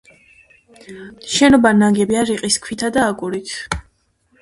შენობა ნაგებია რიყის ქვითა და აგურით.